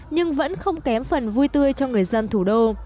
nhưng vẫn không kém phần vui tươi cho người dân thủ đô